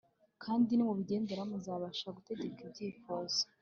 kandi nimubigeraho muzabasha gutegeka ibyifuzo